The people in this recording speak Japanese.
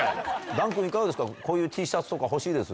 檀君いかがですかこういうＴシャツとか欲しいです？